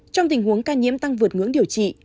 trong tình huống ca nhiễm tăng vượt ngưỡng điều trị